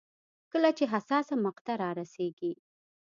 کله چې حساسه مقطعه رارسېږي.